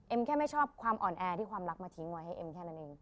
แค่ไม่ชอบความอ่อนแอที่ความรักมาทิ้งไว้ให้เอ็มแค่นั้นเอง